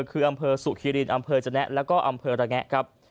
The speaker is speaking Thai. คืออำเภอสุขิรินอำเภอจนะแล้วก็อำเภอระแงะครับ